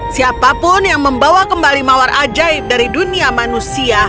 siapapun yang membawa kembali mawar ajaib dari dunia manusia